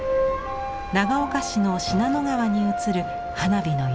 長岡市の信濃川に映る花火の彩り。